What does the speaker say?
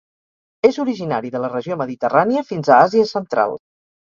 És originari de la regió mediterrània fins a Àsia Central.